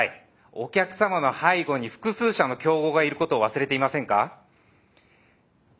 お客さまの背後に複数社の競合がいることを忘れていませんか？